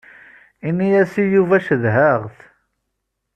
Ini-as i Yuba cedhaɣ-t.